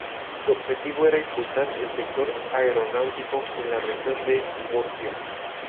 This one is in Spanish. Su objetivo era impulsar el sector aeronáutico en la Región de Murcia.